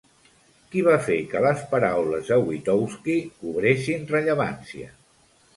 Qui va fer que les paraules de Witowski cobressin rellevància?